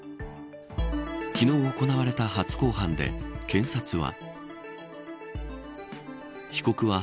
昨日、行われた初公判で検察は。